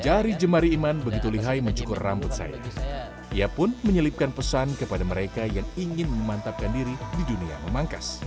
jari jemari iman begitu lihai mencukur rambut saya ia pun menyelipkan pesan kepada mereka yang ingin memantapkan diri di dunia memangkas